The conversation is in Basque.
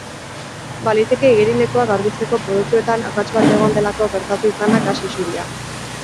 Baliteke igerilekuak garbitzeko produktuetan akats bat egon delako gertatu izana gas isuria.